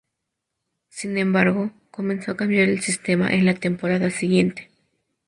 Sin embargo, comenzó a cambiar el sistema en la temporada siguiente.